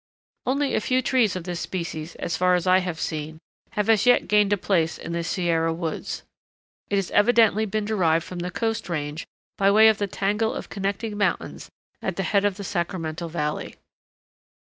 Only a few trees of this species, as far as I have seen, have as yet gained a place in the Sierra woods. It has evidently been derived from the coast range by way of the tangle of connecting mountains at the head of the Sacramento Valley.